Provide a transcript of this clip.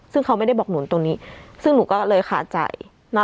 ซึ่งเขาไม่ได้บอกหนูตรงนี้ซึ่งหนูก็เลยขาใจ